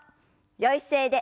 よい姿勢で。